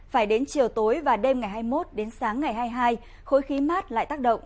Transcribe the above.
phải đến chiều tối và đêm ngày hai mươi một đến sáng ngày hai mươi hai khối khí mát lại tác động